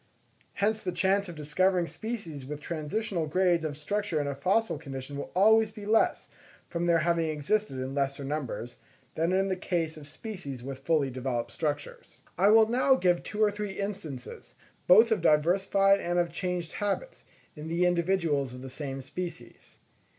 Hence the chance of discovering species with transitional grades of structure in a fossil condition will always be less, from their having existed in lesser numbers, than in the case of species with fully developed structures. I will now give two or three instances, both of diversified and of changed habits, in the individuals of the same species.